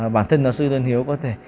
bản thân giáo sư nguyễn hiếu có thể